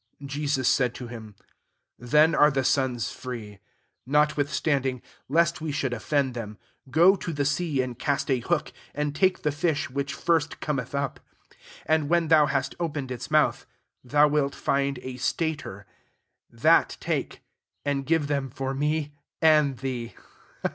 Jesus said to him, << Then are the sons free. 27 Notwithstanding, lest ire should offend them, go to the sea and cast a hook, and take the fish which first cometh op ; and, when thou hast open ed its mouth, thou wilt find a stater f: that take, and give them for me and thee."